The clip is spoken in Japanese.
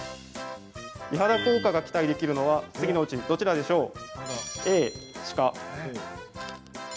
美肌効果が期待できるのは次のうち、どちらでしょう？